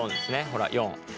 ほら４。